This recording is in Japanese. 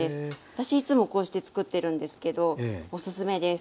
私いつもこうしてつくってるんですけどおすすめです。